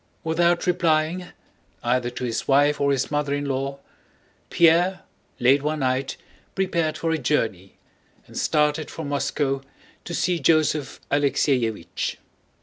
Without replying either to his wife or his mother in law, Pierre late one night prepared for a journey and started for Moscow to see Joseph Alexéevich.